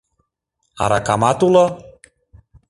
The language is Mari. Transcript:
Аракамат уло.